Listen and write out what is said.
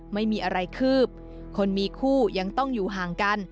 ไม่มีอะไรคืบคนมีคู่ยังต้องอยู่ห่างกัน